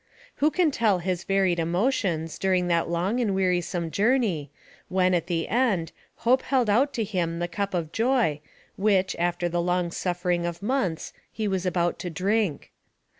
Who can tell his varied emotions, during that long and wearisome journey, when, at the end, hope held out to him the cup of joy which, after the long suffering of months, he was about to drink.